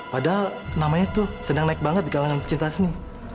padahal namanya itu sedang naik banget di kalangan cinta seni